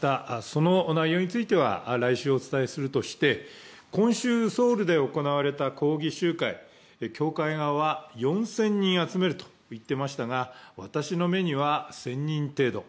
その内容については来週お伝えするとして今週ソウルで行われた抗議集会、教会側は４０００人集めると言っていましたが、私の目には１０００人程度。